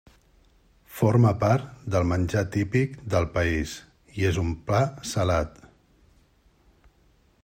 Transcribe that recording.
Forma part del menjar típic del país i és un pa salat.